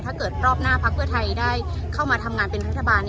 ถ้าเกิดรอบหน้าพักเพื่อไทยได้เข้ามาทำงานเป็นรัฐบาล